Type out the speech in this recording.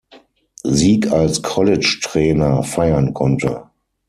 Sieg als College-Trainer feiern konnte.